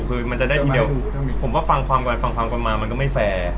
คือมันจะได้ทีเดียวผมว่าฟังความก่อนมามันก็ไม่แฟร์